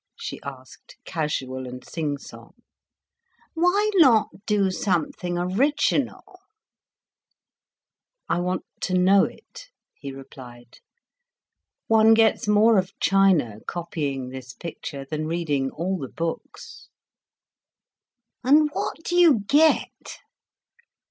she asked, casual and sing song. "Why not do something original?" "I want to know it," he replied. "One gets more of China, copying this picture, than reading all the books." "And what do you get?"